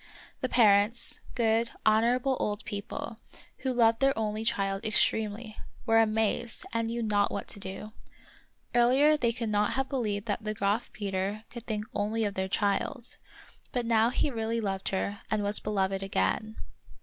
The parents, good, honorable old people, who loved their only child extremely, were amazed, and knew not what to do. Earlier they could not have believed that the Graf Peter could think only of their child ; but now he really loved her and was beloved again.